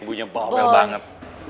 bu nya bawel banget